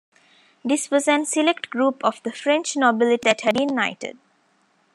This was an select group of the French Nobility that had been knighted.